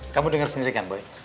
kamu dengar sendiri kan boy